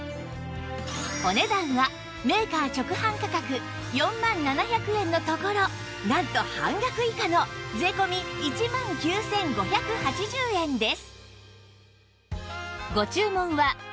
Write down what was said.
お値段はメーカー直販価格４万７００円のところなんと半額以下の税込１万９５８０円です